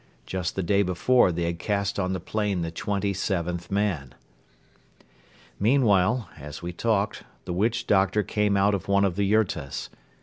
Just the day before they had cast on the plain the twenty seventh man. Meanwhile, as we talked, the witch doctor came out of one of the yurtas.